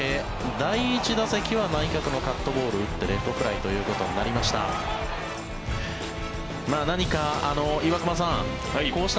第１打席は内角のカットボールを打ってレフトフライということになりました。